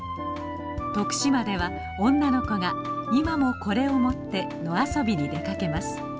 徳島では女の子が今もこれを持って野遊びに出かけます。